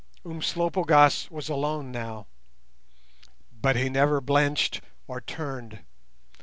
Umslopogaas was alone now, but he never blenched or turned.